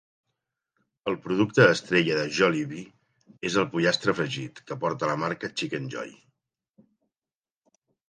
El producte estrella de Jollibee és el pollastre fregit, que porta la marca Chickenjoy.